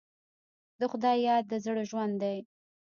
د خدای یاد د زړه ژوند دی.